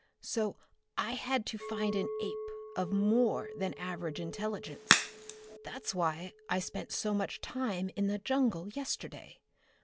So I had to find an ape of more than average intelligence. That's why I spent so much time in the jungle yesterday.